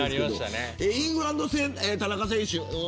イングランド戦、田中選手